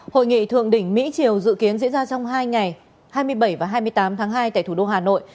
hội nghị thượng đỉnh mỹ triều dự kiến diễn ra trong hai ngày hai mươi bảy và hai mươi tám tháng hai tại thủ đô hà nội